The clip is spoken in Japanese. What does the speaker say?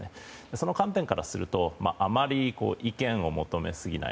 その観点からするとあまり意見を求めすぎない。